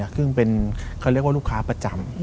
ซึ่งเป็นเขาเรียกว่าลูกค้าประจำ